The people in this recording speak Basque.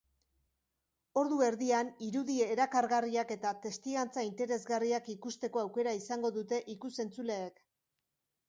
Ordu erdian irudi erakargarriak eta testigantza interesgarriak ikusteko aukera izango dute ikus-entzuleek.